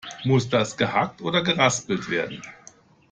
Muss das gehackt oder geraspelt werden?